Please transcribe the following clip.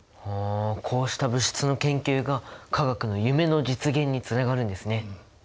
こうした物質の研究が化学の夢の実現につながるんですね。